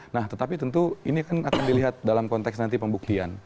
nah tetapi tentu ini akan dilihat dalam konteks nanti pembuktian